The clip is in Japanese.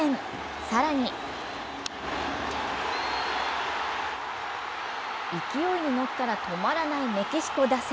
更に勢いに乗ったら止まらないメキシコ打線。